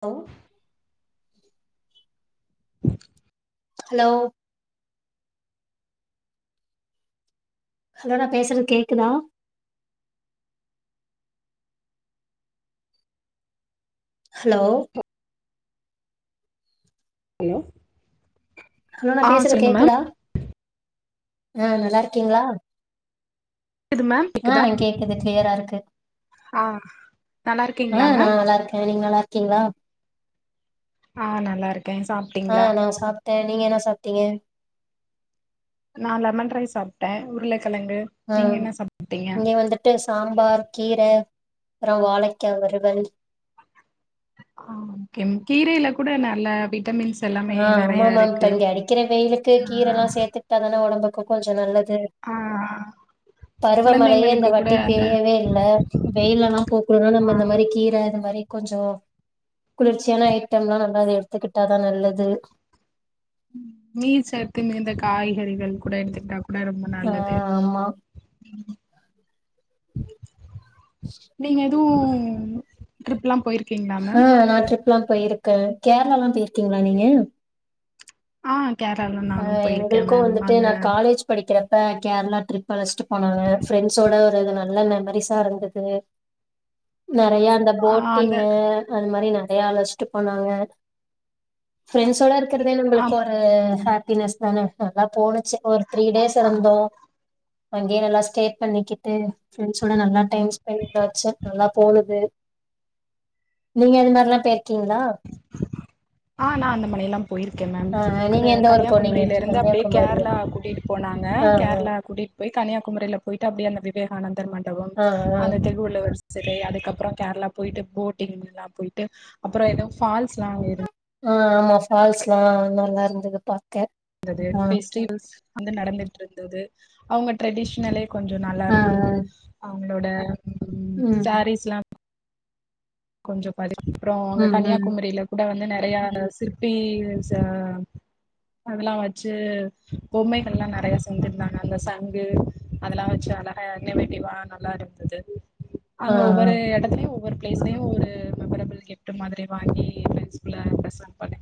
low hello hello நா பேசுறது கேக்குதா ஹலோ ஹலோ ஹலோ நா ஆ பேசுறது சொல்லுங்க மேம் கேக்குதா‌ ம் நல்லா இருக்கீங்ளா கேக்குது மேம் ஆ கேக்குதா கேக்குது கிளியரா இருக்கு ஆ நல்லா ஆ இருக்கீங்களா நா மேம் நல்லா இருக்க நீங்க நல்லா இருக்கீங்ளா ஆ நல்லா இருக்கே சாப் ஆ நா சாப்புட்டே நீங்க என்ன சாப்ட்டீங்க நா லெமன் ரைஸ் சாப்ட்டே உருளைக்கெழங்கு நீங்க என்ன சாப்புட்டீங்க முட்ட சாம்பார் கீர அப்புறோ வாழைக்கா வருவல் ஆ கேம்‌ கீரையிலா கூட நல்ல விட்டமின்ஸ் எல்லாமே ஆ நெறைய ஆமாம்மேம் இப்ப இருக்கு இங்க அடிக்கிற வெயிலுக்கு ஆ கீரைல்லா சேத்துக்கிட்டாதானே உடம்புக்கு கொஞ்ச நல்லது ஆ, பருவமழையே இந்த குழந்தைங்களுக்கு கூட வாட்டி அந்த பெய்யவே இல்ல வெயில் எல்லா போக்குனோனா நம்ம இந்த மாரி கீரை இது மாரி கொஞ்சோ குளிர்ச்சியான ஐட்டம்ல்லாலா நல்லா எடுத்துக்கிட்டாதா நல்லது நீர் சத்து மிகுந்த காய்கறிகள் கூட எடுத்துக்கிட்டா கூட ரொம்ப ஆ நல்லது ஆமா நீங்க எதுவு டிரிப்லா போயிருக் ஆ நா ட்ரிப்ல்லா போயிருக்கே கேரளால்லா போயிருக்கீங்ளா நீங்க ஆ கேரளா எல்லா ஆ எங்களுக்கு வந்துட்டு நா காலேஜ் படிக்கிறப்ப கேரளா ட்ரிப் அழைச்சிட்டு போனங்கா ஃப்ரெண்ட்ஸ்ஸோட ஒரு நல்ல மெமரிஸா இருந்தது நெறையான் அந்த ஆ அந்த போட்டிங்ஙு அந்த மாரி நெறைய அழச்சிட்டு போனாங்க ஃப்ரண்ஸ்வோட இருக் க்கறதே ஆ நம்பளுக்கு ஒரு ஹாப்பினஸ் தானே நல்லா போணுச்சு ஒரு த்ரீ டேஸ் இருந்தோ அங்கியே நல்லா ஸ்டே பண்ணிக்கிட்டு ஃப்ரண்ஸ்ஸோட நல்லா டைம் ஸ்பென்டட்டாச்சு நல்லா போனது நீங்க அது மாரியெல்லா போய்யிருக்கிங்ளா ஆ நா அந்த மானி எல்லா போயிருக்கே மேம் ஆ அந்த நீங்க எந்த ஊர் கன்னியாக் போனீங்க குமரியிலருந்து அப்டியே கன்னியாகுமரியா கேரளா கூட்டிட்டு போனாங்க ஆ கேரளா கூட்டிட்டு போய் கன்னியாகுமரியில போயிட்டு அப்டியே அந்த விவேகானந்தர் மண்டபம் ஆ ஆ ஆ அந்த திருவள்ளூர் செ சிலை அதுக்கப்புறம் கேரளா போயிட்டு போட்டிங் எல்லா போயிட்டு அப்புறம் ஏதவு பால்ஸ் எல்லா அங்த இருந் ஆ ஆமா ஃபால்ஸ்ல்லா நல்லா இருந்தது பாக்க தது ஆ பெஸ்டிவல்ஸ் வந்து நடந்துட்டு இருந்தது அவங்க ட்ரெடிஷ்னலே கொஞ்ச நல்லா ஆ ஆ இருந்தது அவங்களோட ம் சேர்ஸ் லா கொஞ்ச பதி அப்புறம் அங்க ம் ம் கன்னியாகுமரியில கூட வந்து நெறைய சிற்பி ஸ அதெல்லா வச்சு பொம்மைகள்லா நெறைய செஞ்சிருந்தாங்க அந்த சங்கு அதெல்லாம் வச்சு அழகா என் வேட்டி வா நல்லா இருந்தது ஆ ஆ அங்க ஒவ்வொரு இடத்தலையும் ஒவ்வொரு ப்ளேஸ்லயு ஒரு மெமரபிள் கிப்ட் மாரி வாங்கி ஃப்ரெண்ட்ஸ்குல்ல அன்டர்ஸ்ஸாண்ட் பண்ணி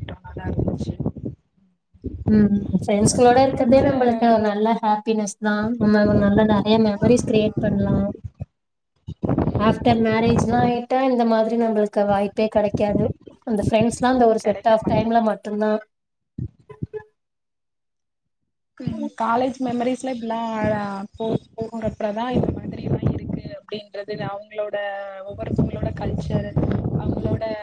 ம் ஃப்ரெண்ட்ஸ்களோட அப்புறோ இருக்கிறதே கூட நம்மளுக்கு நல்ல ஹாப்பினஸ் தான் நம்ம நல்ல நிறைய மெமரிஸ் கிரியேட் பண்ணலாம் ஆப்டர் மேரேஜ்லாம் ஆயிட்டா இந்த மாதிரி நம்ம இருக்க வாய்ப்பே கிடைக்காது அந்த ஃப்ரெண்ட்ஸ்லாம் ஒரு செட் கெடைக்க ஆப் மாட்டேங்குது டைம்ல மட்டும்தான் காலேஜ் மெமரிஸ்ல இப்பல்லாம் போ போகறப்பதான் இந்த மாதிரி வெளிய இருக்கு அப்டின்றது அவங்களோட ஒவ்வொருத்தவங்களோட கல்ச்சர் அவங்களோட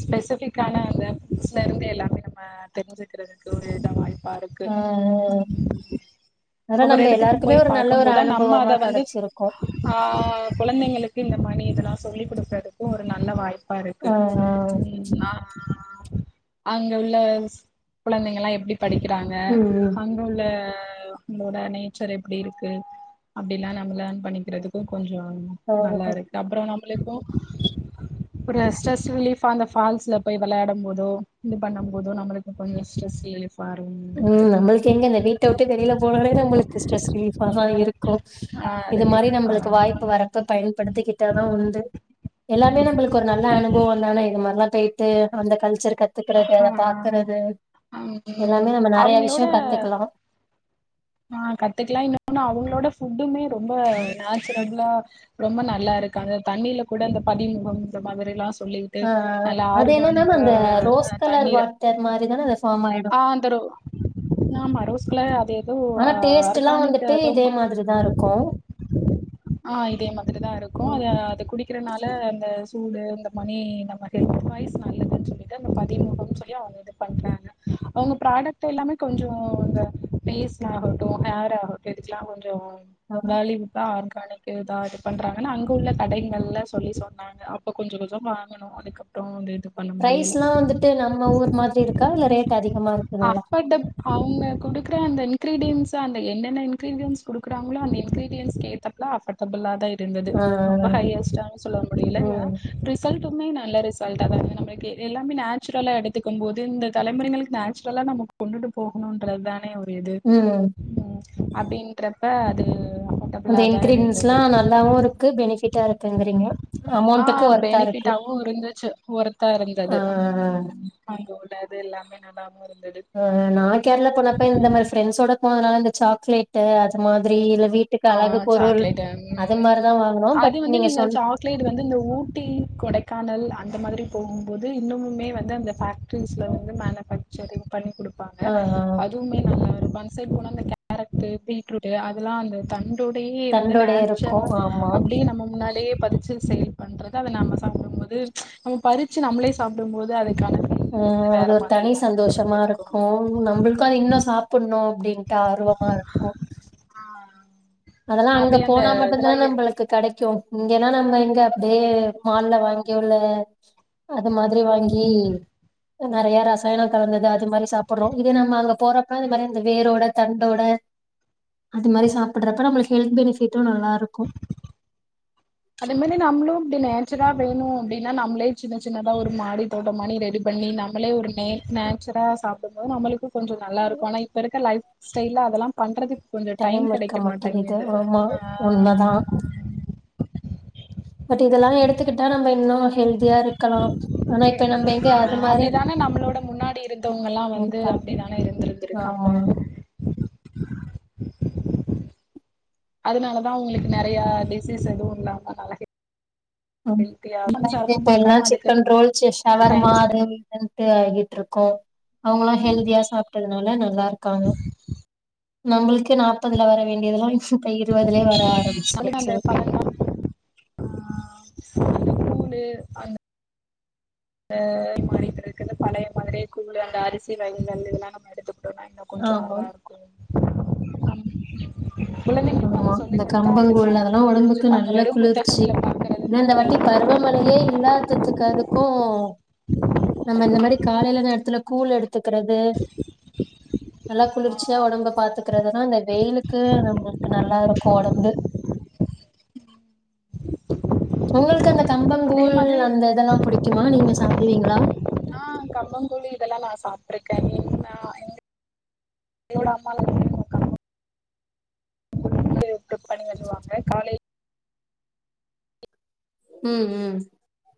ஸ்பெசிபிக்கான அந்த‌ இதுல இருந்து எல்லாமே நம்ம தெரிஞ்சுக்கிறது அதோடு ஒரு வாய்ப்பா இருக்கு ஆ ம் அதா ஒவ்வொரு நம்ம இடத்துக்கும் எல்லாருக்குமே போய் ஒரு நல்ல பார்க்கும் ஒரு போதுதான் நம்ம அனுபவமா அத வந்து கெடச்சிருக்கு ஆ குழந்தைங்களுக்கு இந்த மணி இதெல்லாம் சொல்லி் கொடுக்குறதுக்கும் ஒரு நல்ல வாய்ப்பா இருக்கு ஆ ஆ ம் ஆ அங்க உள்ள குழந்தைங்களாம் எப்டி படிக்கிறாங்க ம் ம் அங்க உள்ள நம்மளோட நேச்சர் எப்டி இருக்கு அப்டிலாம் நம்ம லேர்ன் பண்ணிக்கிறதுக்கும் கொஞ்சம் ஆ நல்லா இருக்கு அப்பறம் நம்மளுக்கும் பிரியர்ஸ் ஸ்ட்ரெஸ் ரிலீஃப் அந்த ஃபால்ஸ்ல போய் விளையாடும் போதோ இது பண்ணும் போதோ நம்மளுக்கு கொஞ்சம் ஸ்ட்ரெஸ் ரிலீஃப் வாரும் ம் நம்மளுக்கு எங்க இந்த வீட்டை விட்டு வெளியில போனாலே நம்மளுக்கு ஸ்ட்ரெஸ் ரிலீ ஃபா தான் இருக்கும் ஆ இது மாரி ரிலீஃபா நம்மளுக்கு வாய்ப்பு வரப்ப பயன்படுத்திக்கிட்டாதான் உண்டு எல்லாமே நம்மளுக்கு ஒரு நல்ல அனுபவம் இருந்தானே இது மாதிரி எல்லாம் போய்ட்டு அந்த கல்ச்சர் க கத்துக்கறது ஆ அதை பாக்குறது அவங்களோட கத்துக்கலா ஆ கத்துக்கலாம் இன்னொன்னு அவங்களோட ஃபுட்டுமே ரொம்ப நேச்சுரல்லா ரொம்ப நல்லா இருக்கு அந்த தண்ணியில கூட அந்த பதிமுகம் இந்த மாதிரில்லாம் சொல்லிகிட்டு ஆ நல்ல அது என்னன்னா ஆர்கானிக்கா அந்த ரோஸ் கலர் தண்ணீர வாட்டர் மாரி தான அது ஃபார்ம் ஆயிடு ஆ அந்தரோ ஆமா ரோஸ் கலர் அது எதோ ஆனா டேஸ்ட்லா ஆர்கானிக் வந்துட்டு எதோ இதே மாதிரிதா இருக்கு ஆ இதே மாரிதான் இருக்கும் அத ஆ‌ அது குடிக்கிறதுனால அந்த சூடு இந்த மணி நம்ம ஹெல்த் வைய்ஸ் நல்லதுன்னு சொல்லிட்டு இது பதிமுகம்னு சொல்லி அவுங்க இது பண்றாங்க அவங்க ப்ராடக்ட் எல்லாமே கொஞ்சம் இந்த பேஸ் ஆகட்டும் ஹேர் ஆகட்டும் இதுக்கெல்லாம் கொஞ்சோ பாலிவுட் இதா ஆர்கானிக் இதான் இது பண்றாங்கன்னா அங்க உள்ள கடைகள்ல சொல்லி சொன்னாங்க அப்ப கொஞ்சம் கொஞ்சம் வாங்கனோ அதுக்கப் பறோ வ இது பண்ண முடில எல்லாம் வந்துட்டு நம்ம ஊர் மாதிரி இருக்கா இல்ல ரேட் அதிகமா இருக்குங்களா அஃபர்டப் அவங்க குடுக்குற அந்த இன்கிரீடியடஸ் அந்த என்னென்ன இன்கிரீடியன்டஸ் குடுக்குறாங்களோ அந்த இன்கிரீடியன்ஸ் ஏத்தாப்ல ஆஃபர் டபுலா தான் இருந்தது ஆ ரொம்ப ஹையஸ்ட்டான்னு சொல்ல முடில ஆ ம் ரி ரிசல்ட்டுமே நல்ல ரிசல்ட்டாதான் வந்து நமக்கு எல்லாமே நேச்சுரலா எடுத்துக்கும் போது இந்த தலைமுறைகளுக்கு நேச்சுரலா நமக்கு கொண்டுட்டு போகணும்ன்றது தானே ஒரு இது ம் ம் அப்டின்றப்ப அது அந்த டபூள்ளா தான் இன்கிரீடியன்ஸ்லா இருந்தது நல்லாவு இருக்கு பெனிஃபிட்டா இருக்குங்கிறீங்க ஆ அமௌண்ட்டுக்கு ஒர்த்தா இருக்கு பெனிஃபிட்டாவும் இருந் துச்சி ஒர்த்தா இருந்தது ஆ ஆ அங்கோட இது எல்லாமே நல்லாவு இருந்தது ஆ நா கேர்ளா போனப்ப இந்த மாரி ஃப்ரென்சோட போனதுனால இந்த சாக்லேட் அது மாதிரி இல்ல வீட் டுக்கு ஆ அழகு பொருள் சாக்லேட்டு அது மாரிதா வாங்குனோ பட் நீங்க சொன்ன ட்ல இது வந்து இந்த ஊட்டி கொடைக்கானல் அந்த மாதிரி போகும்போது இன்னுமுமே வந்து அந்த ஹாட் ட்ரீஸ்ல வந்து மேல கொஞ்ச ரிம் பண்ணி குடுப்பாங்க ஆ ஆ அதேமாரி நல்லா பன் சைடு போன அந்த கேரட் பீட்ரூட்டு் அதெல்லா அந்த தண்ணி தோடயே இருந்து தண்டோடய இருக்கு நேச்சுரா ஆமா அப்டியே நம்ம முன்னாடியே அப்டியே பதிச்சு சேல் பண்றது அத நம்ம சாப்டும் போது நம்ம பறிச்சு நம்ளே சாப்டும் போது அதுக்கான அ ஃபீல் வந்து வேற அது ஒரு மாதிரி தனி தான நம்மளுக்கு சந்தோஷமா இருக்கு நம்மளுக்கு அது இன்னு சாப்புட்ணு அப்டின்னு ஆர்வமா இருக்கு ஆ அதெல்லா அங்க போனா மட்டுதானே நம்பளுக்கு கெடைக்கு இங்கன்னா நம்ம இங்க அப்டியே மால்ல வாங்கிள்ள அது மாதிரி வாங்கி நெறைய ரசாயன கலந்தது அது மாரி சாப்புட்றோ இதே நம்ம அங்க போறப்பா இந்த மாரி வேரோட தண்டோட அது மாரி சாப்புடுறப்ப நம்மளுக்கு ஹெல்த் பெனிஃபிட்டு நல்லா இருக்கு அதே மாரி நம்ளு இப்டி நேச்சுரா வேணு அப்டின்னா நம்ளே சின்ன சின்னதா ஒரு மாடி தோட்ட மாரி ரெடி பண்ணி நம்மளே ஒரு நே நேச்சுரா சாப்டும்போது நம்மளுக்கு கொஞ்ச நல்லா இருக்கு ஆனா இப்ப இருக்க லைஃ ஸ்டைல்ல அதெல்லா பண்றதுக் கொஞ்ச டைம் இருக்க கெடைக்க மாட்டேங்குது ஆமா அ உண்மதா பட் இதெல்லா எடுத்துக்கிட்டா நம்ம இன்னு நல் ஹெல்தியா இருக்கலா ஆனா இப்ப நம்ம எங்க அது ஆ மாரி அப்டிதானே நம்மளோட முன்னாடி இருந்து [unintelligible] ஆ அதனாலதா உங்களுக்கு நெறையா டிசீஸ் எதுவு இல்லாம நல ம் செரமம் [unintelligible] பாக்காம அதுக்கு chicken roll chips shawarma time spend அது இதுன்ட்டு வாங்கிட்டு இருக்கோ அவுங்களு ஹெல்தியா சாப் டதுனால நல்லா இருக்காங்க நம்மளுக்கு நாப்பதுல வர வேண்டியதுெல்லா இப் ப இருவதுலே வர ஆரம்பிச்சுருச்சு ஆ [inaudible] அ மாறிட்டு இருக்குது இந்த பழைய மாதிரி கூழு அந்த அரிசி வகைகள் இதெல்லா நம்ம எடுத்துக்கிட்டோனா இன்னு கொஞ்ச ஆமா நல்லா இருக்கு நம் [inaudible] ஆமா இந்த கம்பங்கூல் அதெல்லா அவங்களு ஒடம்புக்கு புரிஞ்சுப்பாங்க நல்லா வெறு குளிர்ச்சு புத்தகத்துல பாக்குறது இந்த மட்டு வாட்டி இல்லாம பருவ மழையே இல்லாததுக்கு அதுக்கு [inaudible] நம்ம இந்த மாரி காலையில நேரத்துல கூழ் எடுத்துக்குறது நல்லா ஆ குளிர்ச்சியா ஒடம்ப பாத்துக்கிறதுனு இந்த வெயிலுக்கு நம்மளுக்கு நல்லா இருக்கு ஒடம்பு [inaudible] உங்களுக்கு அந்த அதே கம்பங்கூழ் மாதிரி அந்த இதெல்லா புடிக்குமா நீங்க சாப்டுவீங்களா ஆ கம்பங்கூழ் இதெல்லா நா சாப்டுருக்கே [unintelligible] என்னோட அம்மாலா [inaudible] பண்ணி பண்ணுவாங்க காலை ம் ம்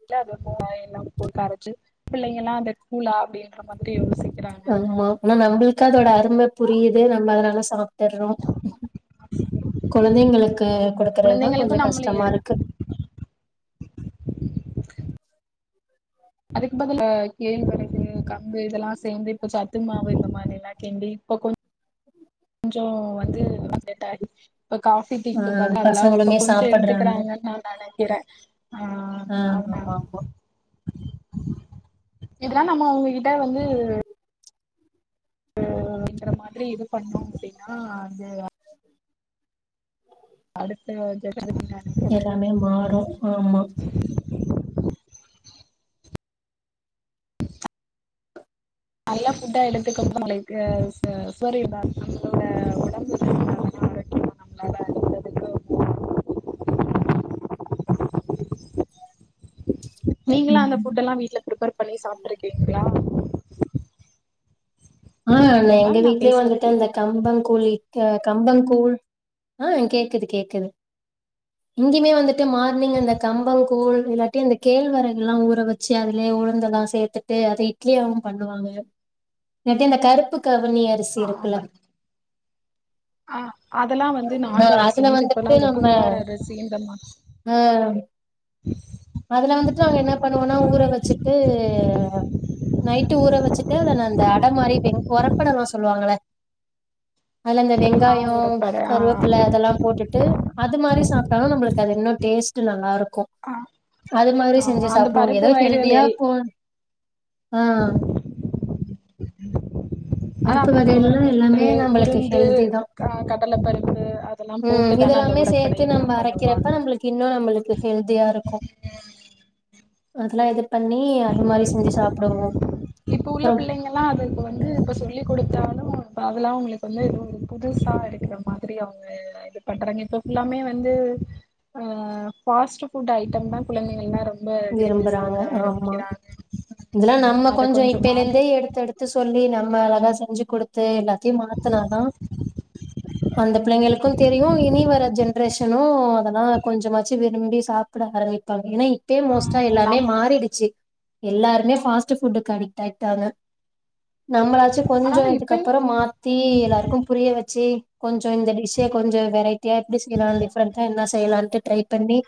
இல்ல அதுல இருக்கு காயெல்லா போட்டு அரச்சி பிள்ளைங்கல்லா அத கூலா அப்டின்ற மாதிரி யோசிக் அதுமா ஆனா நம்ளுக்கு அதோட அருமை புரியுது நம்ம அதனால சாப் ட்றோ கொழந்தைங்களுக்கு குடுக்கறதுதா குழந்தைங்களுக்கு கொஞ்சோ நம்மள கஷ்டமா எடு இருக்கு அதுக்கு பதிலா கேழ்வரகு கம்பு இதெல்லா சேந்து இப்ப சத்து மாவு இந்த மாரில்லா கிண்டி இப்ப கொஞ் சோ வந்து செட் ஆகி இப்ப காபி ஆ டீக்கு பதிலா அதெல்லா இப்ப பசங்களுமே கொஞ்சோ சாப்பட்றாங்க எடுத்துக்கிறாங்கன்னு நா நெனைக்கிறே ஆ ஆ அதனால ஆமா ஆமா இதெல்லா நம்ம அவுங்ககிட்ட வந்து இந்தங்கிற மாதிரி இது பண்ணோ அப்டின்னா அது அடுத்த ஜெனரேஷன் [inaudible] மே மாறு ஆமா நல்ல ஃபுட்டா எடுத்துக்கம் போது நம்மளுக்கு சரி உண்டாகு நம்மளோட ஒடம்பு ஆரோக்கியமா நம்மளால அடுத்ததுக்கு நீங்கல்லா அந்த ம் ஃபுட்டல்லா வீட்ல பிரிப்பேர் பண்ணி சாப்ட்ருக்கீங்களா ஆ ஹலோ எல்லா எங்க மேம் நா வீட்லயு பேசுறது வந்துட்டு அந்த கேக்குதா கம்பங்கூழ் ஆ கம்பங் கூழ் ஆ கேக்குது கேக்குது இங்கயுமே வந்துட்டு மார்னிங் அந்த கம்பங் கூழ் இல்லாட்டி இந்த கேழ்வரகுல்லா ஊற வச்சி அதுலயே உழுந்தெல்லா சேத்துட்டு அத இட்லியாவு பண்ணுவாங்க இல்லாட்டி அந்த கருப்பு கவுனி அரிசி ஆ இருக்குல்ல பண்ணுங்க ஆ அதெல்லா வந்து ஆ நாட்டு அதுல அரிசின் இப்பெல்லா வந்துட்டு இந்த நம்ம பூங்கார் அரிசி இந்த மா ஆ அதுல வந்துட்டு அவே என்ன பண்ணுவேன்னா ஊற வச்சிட்டு நைட்டு் ஊற வச்சிட்டு அத நா அந்த அடை மாரி வெங் ஒரப்படலா சொல்லுவாங்கல்ல அதுல இந்த ஆ வெங்காயோ உரப்பட ஆ கருவேப்பில அதெல்லா போட்டுட்டு அது மாரி சாப்ட்டாலு நம்மளுக்கு அது இன்னு டேஸ்ட் நல்லா இருக்கு ஆ அது மாதிரி ஆ செஞ்சி அந்த சாப்டுவோ பருப்பு ஏதோ வகைகள் ஹெல்தியா எல் போனு ஆ அதா பருப்பு அதுல வகேலலா துவரம் பருப்பு எல்லாமே நம்மளுக்கு உளுந்து ஹெல்தி தா ஆ கடல பருப்பு அதெல்லா ம் போட்டுதான அந்த இதெல்லாமே உரப்படை சேத்து நம்ம இதெல்லா பண்ணுவாங்க அரைக்கிறப்ப நம்மளுக்கு இன்னு நம்மளுக்கு ஹெல்தியா இருக்கு அதெல்லா இது பண்ணி அது மாரி செஞ்சி சாப்டுவோ உள்ள அப்றம் அதெல்லா பிள்ளைங்கல்லா அது இப்ப வந்து இப்போ சொல்லி குடுத்தாலு இப்போ அதெல்லா உங்களுக்கு வந்து ஏதோ இது புதுசா இருக்குற மா திரி அவுங்க இது பண்றாங்க இப்ப ஃபுல்லாமே வந்து ஆ பாஸ்ட் புட் ஐட்டம் தா குழந்தைகல்லா ரொம்ப விரும்பி சாப்ட ஆரம்பிக் இதெல்லா நம்ம கொஞ்சோ இப்பேல மாத்தி இருந்தே எடுத்து எடுத் து சொல்லி நம்ம அழகா செஞ்சி குடுத்து எல்லாத்தையு மாத்துனாதா அந்த பிள்ளைங்களுக்கு தெரியு இனி வர்ற ஜென்ரேஷனு அதெல்லா கொஞ்சமாச்சு விரும்பி சாப்ட ஆரம்பிப்பாங்க ஏன்னா இப்பயே ஆ மோஸ்ட்டா எல்லாமே நம் மாறிடுச்சி எல்லாருமே ஃபாஸ்ட் ஃபுட்டுக்கு அடிக்ட் ஆயிட்டாங்க நம்மளாச்சு கொஞ்சோ ஆனாலு இப்பயு இதுக்கப்பறோ மாத் தி எல்லாருக்கு புரிய வச்சி கொஞ்சோ இந்த டிஷ்ஷே கொஞ்சோ வெரைட்டியா எப்டி செய்யலா டிஃப்ரெண்டா என்ன செய்யலான்ட்டு ட்ரை பண்ணி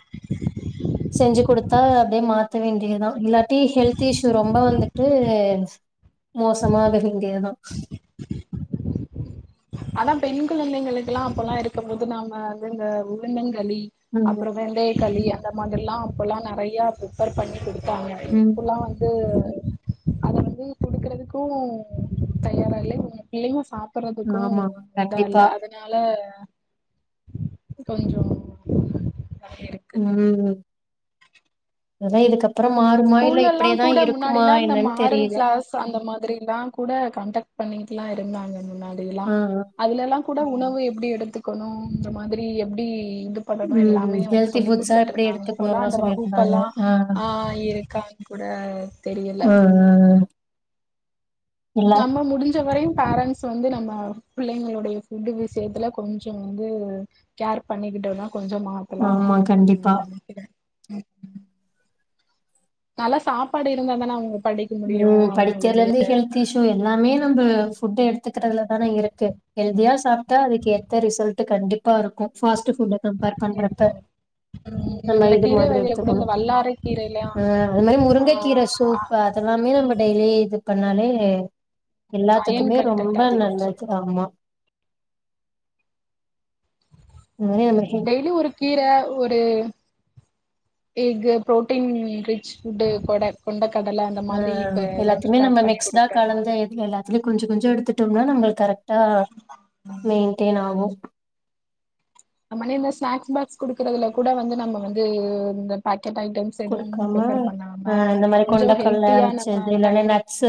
செஞ்சி குடுத்தா அப்டியே மாத்த வேண்டியதா இல்லாட் டி ஹெல்த் இஷ்யூ ரொம்ப வந்துட்டு மோசமாக வேண்டியதுதா ஆனா பெண் குழந்தைங்களுக்குல்லா அப்பெல்லா இருக்கும் போது நாம வந்து இந்த உளுந்தங்களி ம் அப்புறோ வெந்தய களி அந்த மாதிரி ல்லா அப்பல்லா நறையா பரிப்பர் பண்ணி குடுப் பாங்க ம் இப்பல்லா வந்து அத வ ந்து குடுக்குறதுக்கு தயாரா இல்ல இவங்க பிள்ளைங்களு சாப்புட்றத் கு ஆமா இதா இல்ல கண்டிப்பா அத னால கொஞ்சோ [inaudible] ம் அதா இதுக்கப் அப்புறோ மாறுமா இல்ல ஸ்கூல்லல்லா இப்புடேதா இருக்குமா என்னன்னு தெரியில ப்ப அந்த மாதிரில்லா கூட கண்டக்ட் பண்ணிட்டிலா இருந்தாங்க முன்னாடிலா ஆ ஆ அதுலல்லா கூட உணவு எப்புடி எடுத்துக்கணு இந்த மாதிரி எப்புடி இங்கப் பண்ணோன்னா ம் எல்லாமே வந்து ஹெல்தி சொல்லி் ஃபுட்ஸா எப்டி குடுத்துட்ருக்காங்க இப்போல்லா எடுத்துக்கணும்லா அந்த சொல்லியிருந்தாங்க வகுப்பல்லா ஆ இரு க்கா கூட தெரியல ஆ ஆ இல்ல நம்ம முடிஞ்சவரையும் பேரண்ட்ஸ் ஸ் வந்து நம்ம பிள்ளைங்களுடைய ஃபுட்டு விஷயத்துல கொஞ்சோ வந்து கேர் பண்ணிக்கிட்டோனா கொஞ்ச மாறு ஆமா கண்டிப்பா நல்லா சாப்பாடு இருந்தாதானா அவுங்க படிக் ம் படிக்கிறலந்து ஹெல்த் இஷ்யூ எல்லாமே நம்ப ஃபுட்டு எடுத்துக்குறதுலதானே இருக்கு ஹெல்தியா சாப்ட்டா அதுக்கு ஏத்த ரிசல்ட் கண்டிப்பா இருக்கு ஃபாஸ்ட்டு ஃபுட்ட கம்பேர் இது பண்றப்ப இருக்கு ம் நம்ப இந்த இது கீர மாதிரி வகைல கூட எடுத்துக்கணு இந்த வல்லாரை கீரைலா ஆ அது மாரி ஆ முருங்கைக்கீர சூப்ப தெல்லாமே நம்ப டெய்லி இது பண்ணாலே அயன் எல்லாத்துக்குமே ரொம்ப கன்டென்ட் அதிகோன்னு நல்லது சொல்றாங்க ஆமா இது மாரி நம்ம ஹெ டெய்லி ஒரு கீர ஒரு எஃகு புரோட்டீன் ரிச் ஃபுட்டு கொட கொண்ட கடல அந்த அ மாதிரி இப்ப லன்ச் பேக் பண்ணி குடுப்பே நா இல்ல எல்லாத்துலையு கொஞ்ச கொஞ்ச எடுத்துட்டோம்னா நம்மளுக்கு கரெக்டா மெயின்டெயின் ஆகு நம்ம நே இந்த மாரி ஸ்நாக்ஸ் பாக்ஸ் குடுக்கறதுல கூட வந்து நம்ப வந்து இந்த பேக்கெட் ஐட்டம்ஸ் எதுவும் குடுக்காம ப்ரிஃபர் அ பண்ணாம இந்த மாரி கொஞ்ச கொண்டக்கல்ல ஹெல்த்தியா நம்ம வச்சது இல்லன்னா டைம் நட்ஸ்